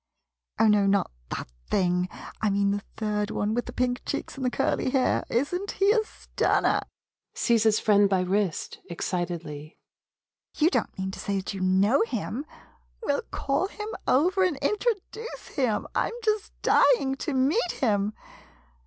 Oh, no — not that thing — I mean the third one, with the pink cheeks and the curly hair. Is n't he a stunner ? [Seizes friend by wrist y excitedly.'] You don't mean to say that you know him ? Well, call him over and introduce him — I 'm just dying to meet him